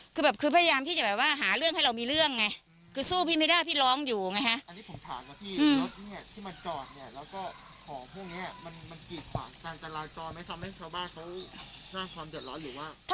คือแบบคือพยายามที่จะแบบว่าหาเรื่องให้เรามีเรื่องไงคือสู้พี่ไม่ได้พี่ร้องอยู่ไงฮะ